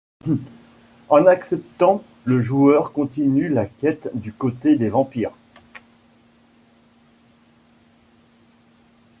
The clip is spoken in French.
En acceptant, le joueur continue la quête du côté des vampires.